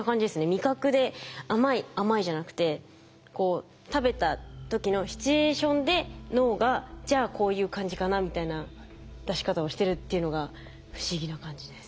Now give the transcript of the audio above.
味覚で「甘い」「甘い」じゃなくてこう食べた時のシチュエーションで脳が「じゃあこういう感じかな」みたいな出し方をしてるっていうのが不思議な感じです。